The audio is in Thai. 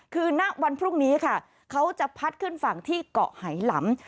คือณวันพรุ่งนี้ค่ะเขาจะพัดขึ้นฝั่งที่เกาะไหลำ